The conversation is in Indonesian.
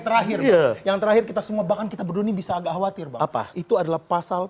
terakhir yang terakhir kita semua bahkan kita berdua ini bisa agak khawatir bapak itu adalah pasal